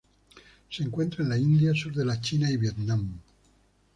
Se encuentra en la India, sur de la China, y Vietnam